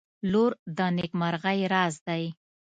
• لور د نیکمرغۍ راز دی.